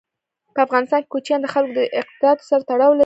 په افغانستان کې کوچیان د خلکو د اعتقاداتو سره تړاو لري.